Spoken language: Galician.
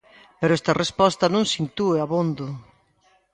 Pero esta resposta non se intúe abondo.